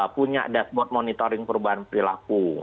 punya dashboard monitoring perubahan perilaku